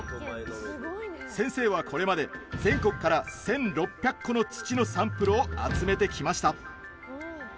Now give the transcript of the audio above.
先生はこれまで全国から１６００個の土のサンプルを集めてきました。